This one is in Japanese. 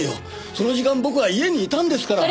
その時間僕は家にいたんですから。